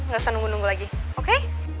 gak usah nunggu nunggu lagi oke